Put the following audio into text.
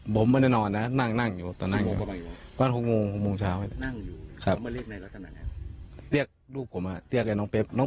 ผมเหนือนอนนะนั่งอยู่ก้าวไหน